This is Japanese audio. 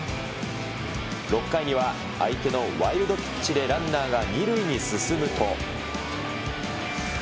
６回には相手のワイルドピッチでランナーが２塁に進むと。